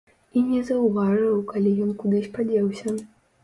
І не заўважыў, калі ён кудысь падзеўся.